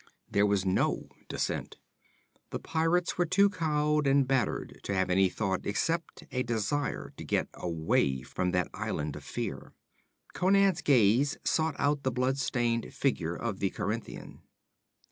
There was no dissent. The pirates were too cowed and battered to have any thought except a desire to get away from that island of fear. Conan's gaze sought out the blood stained figure of the Corinthian.